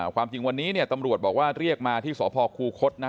ความจริงวันนี้ตำรวจบอกว่าเรียกมาที่สพคูคศนะ